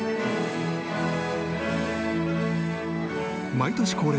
毎年恒例！